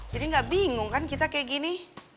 gak bingung kan kita kayak gini